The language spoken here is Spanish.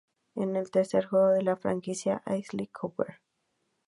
Es el tercer juego de la franquicia Sly Cooper.